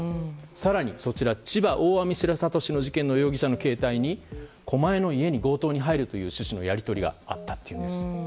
更に、千葉・大網白里市の事件の容疑者の携帯に、狛江の家に強盗に入るという趣旨のやり取りがあったといいます。